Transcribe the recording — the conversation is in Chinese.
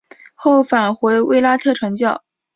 后返回卫拉特传教。